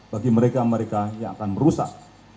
bagi mereka mereka yang akan merusak